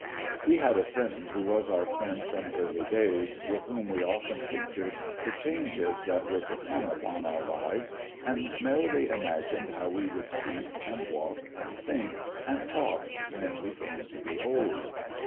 ' We had a friend who was our friend from early days, with whom we often pictured the changes that were to come upon our lives, and merrily imagined how we would speak, and walk, and think, and talk, when we came to be old.